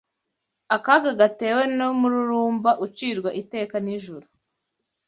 akaga gatewe n’umururumba ucirwa iteka n’ijuru.